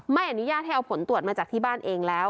ไม่อนุญาตให้เอาผลตรวจมาจากที่บ้านเองแล้ว